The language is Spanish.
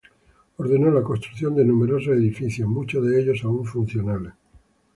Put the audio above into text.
Ordenó la construcción de numerosos edificios, muchos de ellos aún funcionales.